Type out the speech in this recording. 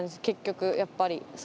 結局やっぱり。